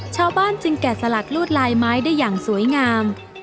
ชาวบ้านจึงแก่สลักลวดลายไม้ได้อย่างสวยงาม